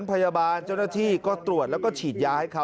พยาบาลเจ้าหน้าที่ก็ตรวจแล้วก็ฉีดยาให้เขา